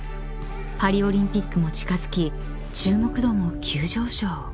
［パリオリンピックも近づき注目度も急上昇］